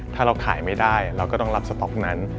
ถ้าเราขายไม่ได้เราก็ต้องรับสต๊อกนั้น